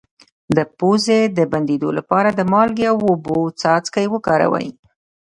د پوزې د بندیدو لپاره د مالګې او اوبو څاڅکي وکاروئ